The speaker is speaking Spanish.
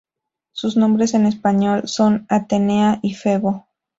Sus nombres en español son Atenea y Febo.